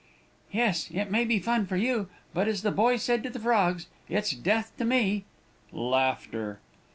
Yes, it may be fun for you, but, as the boy said to the frogs, it's death to me.